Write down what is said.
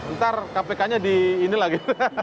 ntar kpk nya di ini lagi